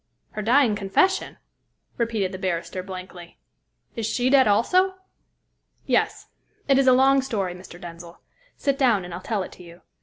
"Her dying confession?" repeated the barrister blankly. "Is she dead, also?" "Yes. It is a long story, Mr. Denzil. Sit down, and I'll tell it to you.